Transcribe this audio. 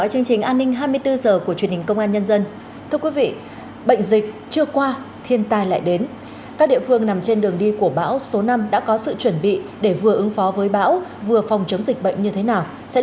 hãy đăng ký kênh để ủng hộ kênh của chúng mình nhé